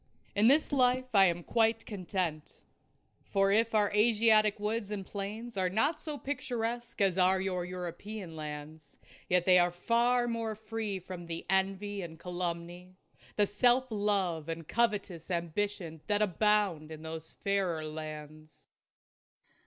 In this life I am quite content ; for if our Asiatic woods and plains are not so pict uresque as are your European lands, yet they are far more free from the envy and calumny, the self love and covetous ambition that abound in those fairer lands."